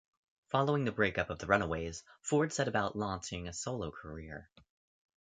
Following the breakup of the Runaways, Ford set about launching a solo career.